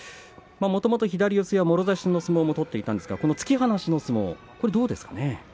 もともと左四つやもろ差しの相撲も取っていたんですがこの突き放しの相撲どうですかね。